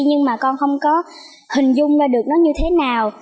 nhưng mà con không có hình dung ra được nó như thế nào